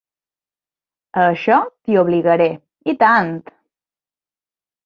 A això t'hi obligaré. I tant!